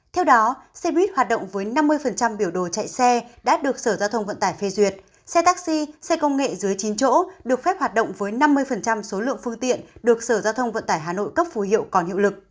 theo đó xe buýt hoạt động với năm mươi biểu đồ chạy xe đã được sở giao thông vận tải phê duyệt xe taxi xe công nghệ dưới chín chỗ được phép hoạt động với năm mươi số lượng phương tiện được sở giao thông vận tải hà nội cấp phù hiệu còn hiệu lực